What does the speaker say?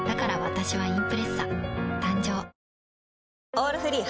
「オールフリー」